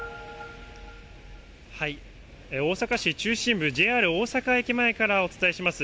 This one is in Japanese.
大阪市中心部、ＪＲ大阪駅前からお伝えします。